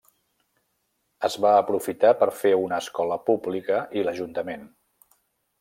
Es va aprofitar per fer una escola pública i l'ajuntament.